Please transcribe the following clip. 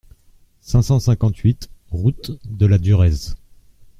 cinq cent cinquante-huit route de la Durèze